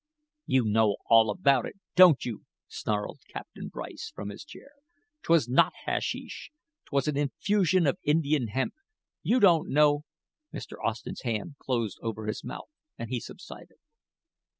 "You know all about it, don't you," snarled Captain Bryce, from his chair, "'twas not hasheesh; 'twas an infusion of Indian hemp; you don't know " Mr. Austen's hand closed over his mouth and he subsided.